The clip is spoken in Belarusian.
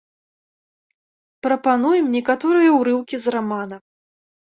Прапануем некаторыя ўрыўкі з рамана.